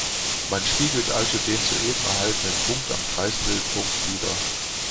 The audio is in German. Man spiegelt also den soeben erhaltenen Punkt am Kreismittelpunkt wider.